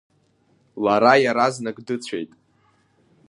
Лара иаразнак дыцәеит.